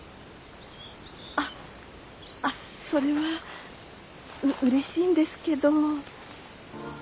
あっそれはうれしいんですけど。